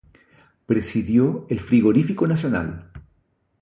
Presidió el Frigorífico Nacional.